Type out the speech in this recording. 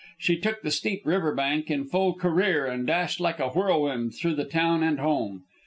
She took the steep river bank in full career and dashed like a whirlwind through the town and home.